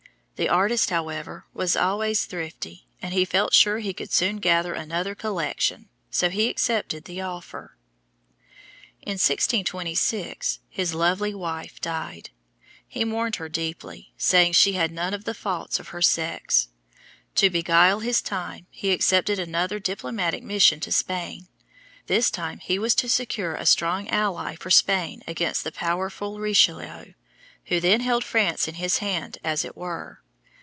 The artist, however, was always thrifty, and he felt sure he could soon gather another collection, so he accepted the offer. In 1626, his lovely wife died. He mourned her deeply, saying "she had none of the faults of her sex." To beguile his time he accepted another diplomatic mission to Spain. This time he was to secure a strong ally for Spain against the powerful Richelieu who then held France in his hand as it were.